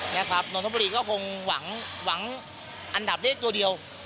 น้องท่านบุดีอย่างน้อยก็คงหวังอันดับเลขคนเดียว